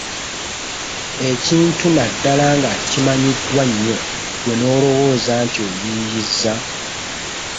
Ekintu naddala nga kimanyiddwa nnyo, gwe n’olowooza nti oyiiyizza.